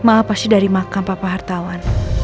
maaf pasti dari makam papa hartawan